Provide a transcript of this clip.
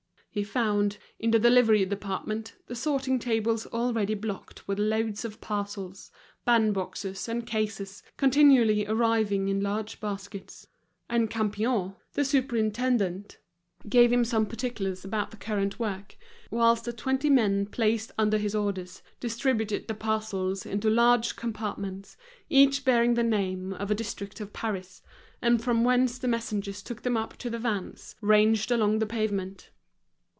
He found, in the delivery department, the sorting tables already blocked with loads of parcels, bandboxes, and cases, continually arriving in large baskets; and Campion, the superintendent, gave him some particulars about the current work, whilst the twenty men placed under his orders distributed the parcels into large compartments, each bearing the name of a district of Paris, and from whence the messengers took them up to the vans, ranged along the pavement.